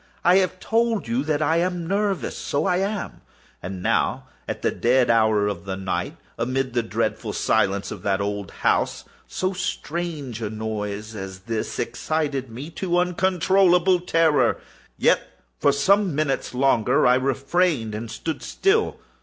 I have told you that I am nervous: so I am. And now at the dead hour of the night, amid the dreadful silence of that old house, so strange a noise as this excited me to uncontrollable terror. Yet, for some minutes longer I refrained and stood still.